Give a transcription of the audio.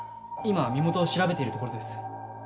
今身元を調べているところです。